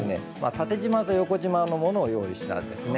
縦じまと横じまのものを用意したんですね。